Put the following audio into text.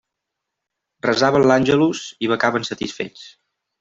Resaven l'àngelus i becaven satisfets.